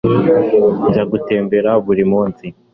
njya gutembera buri munsi